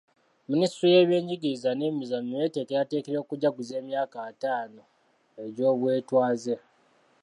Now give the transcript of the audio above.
Minisitule y'ebyenjigiriza n'ebyemizannyo yeteekeratekera okujjaguza emyaka ataano egy'obwetwaaze